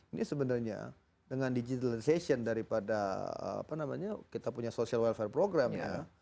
ini sebenarnya dengan digitalization daripada apa namanya kita punya social welfare program ya